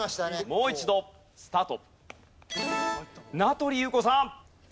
もう一度スタート！